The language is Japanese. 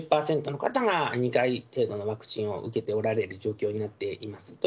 ８０％の方が２回目のワクチン接種を受けておられる状況になっています。